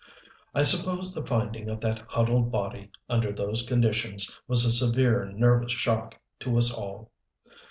I suppose the finding of that huddled body, under those conditions, was a severe nervous shock to us all.